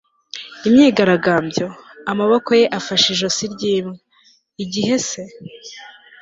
imyigaragambyo, amaboko ye afashe ijosi ry'imbwa, igihe se